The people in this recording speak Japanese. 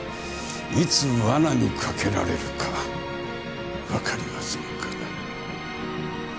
いつ罠にかけられるかわかりませんから。